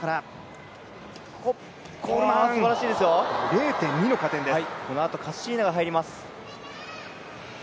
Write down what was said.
０．２の加点です。